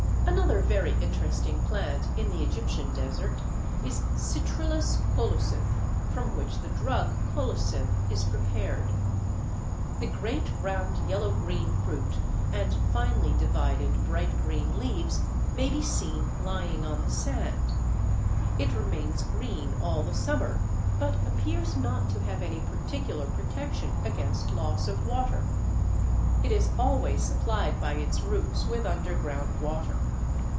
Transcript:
Another very interesting plant in the Egyptian Desert is Citrullus Colocynth, from which the drug colocynth is prepared. The great round yellow green fruit and finely divided bright green leaves may be seen lying on the sand. It remains green all the summer, but appears not to have any particular protection against loss of water. It is always supplied by its roots with underground water.